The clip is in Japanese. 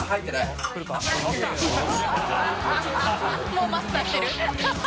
もうマスターしてる